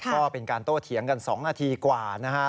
ก็เป็นการโต้เถียงกัน๒นาทีกว่านะฮะ